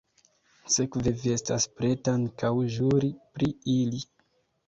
Sekve vi estas preta ankaŭ ĵuri pri ili?